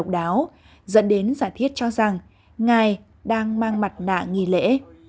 dẫn đến giả thiết cho rằng ngài đang mang mặt nạ nghỉ lễ